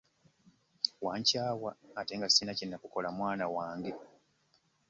Wankyawa ate nga ssirina kye nakukola mwana ggwe.